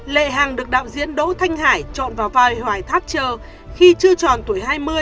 lê hằng được đạo diễn đỗ thanh hải chọn vào vai hoài thatcher khi chưa tròn tuổi hai mươi